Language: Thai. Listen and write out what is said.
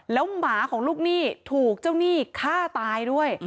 แล้วหมาของลูกหนี้ถูกเจ้าหนี้ฆ่าตายด้วย